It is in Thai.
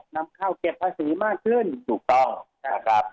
นำเข้าเก็บภาษีมากขึ้นถูกต้องนะครับ